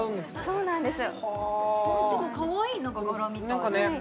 そうなんです・